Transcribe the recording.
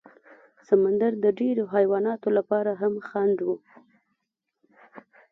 سمندر د ډېرو حیواناتو لپاره هم خنډ و.